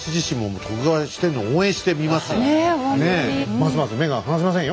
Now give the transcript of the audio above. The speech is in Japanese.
ますます目が離せませんよ！